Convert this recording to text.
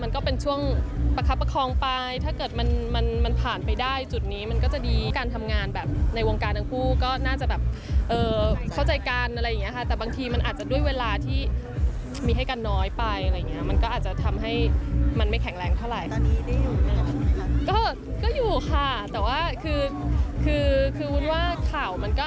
ก็อยู่ค่ะแต่ว่าคือว่าข่าวมันก็อาจจะแบบ